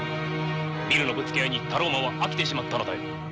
ビルのぶつけ合いにタローマンは飽きてしまったのだよ。